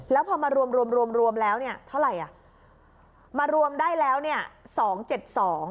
แล้วพอมารวมรวมรวมแล้วเนี่ยเท่าไหร่อ่ะมารวมได้แล้วเนี่ยสองเจ็ดสอง